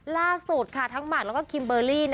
ล่าสุดค่ะทั้งหมากแล้วก็คิมเบอร์รี่